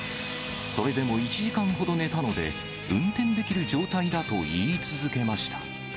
それでも１時間ほど寝たので、運転できる状態だと言い続けました。